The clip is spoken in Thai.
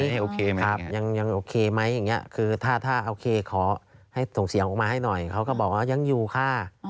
โอเคไหมครับยังโอเคไหมอย่างนี้คือถ้าโอเคขอให้ส่งเสียงออกมาให้หน่อยเขาก็บอกว่ายังอยู่ค่ะ